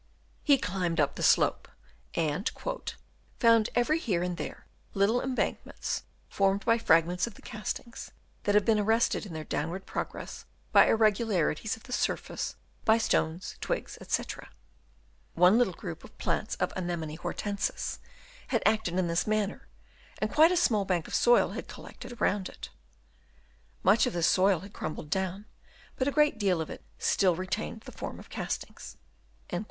He climbed up the slope, and " found every here and there little embank " ments, formed by fragments of the castings " that had been arrested in their downward " progress by irregularities of the surface, "by stones, twigs, &c. One little group of " plants of Anemone hortensis had acted in this " manner, and quite a small bank of soil had " collected round it. Much of this soil had u crumbled down, but a great deal of it still " retained the form of castings."